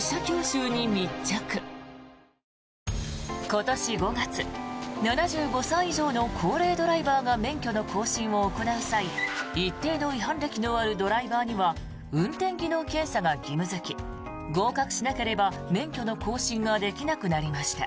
今年５月７５歳以上の高齢ドライバーが免許の更新を行う際一定の違反歴のあるドライバーには運転技能検査が義務付き合格しなければ免許の更新ができなくなりました。